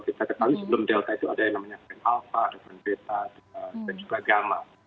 kita ketahui sebelum delta itu ada yang namanya scan alpha ada pendeta dan juga gamma